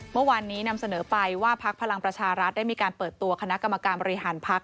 เมื่อวานนี้นำเสนอไปว่าพักพลังประชารัฐได้มีการเปิดตัวคณะกรรมการบริหารพัก